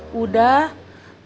ujang juga udah bilang